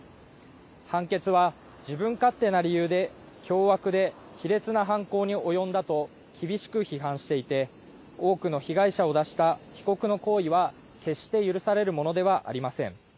判決は自分勝手な理由で凶悪で卑劣な犯行に及んだと厳しく批判していて多くの被害者を出した被告の行為は決して許されるものではありません。